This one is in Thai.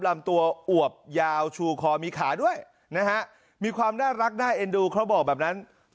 ลำตัวอวบยาวชูคอมีขาด้วยนะฮะมีความน่ารักน่าเอ็นดูเขาบอกแบบนั้น